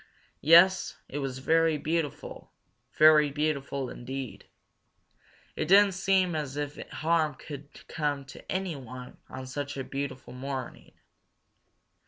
Yes, it was very beautiful, very beautiful indeed. It didn't seem as if harm could come to anyone on such a beautiful morning.